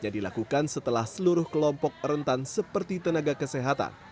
dilakukan setelah seluruh kelompok rentan seperti tenaga kesehatan